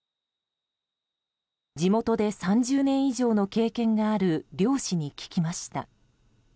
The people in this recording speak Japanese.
地元で３０年以上の経験がある漁師に聞きました。